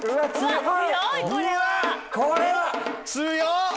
これは強っ！